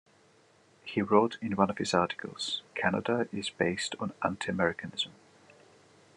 He wrote in one of his articles: Canada is based on anti-Americanism.